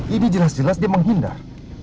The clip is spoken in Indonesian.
ini jelas jelas dia menghindar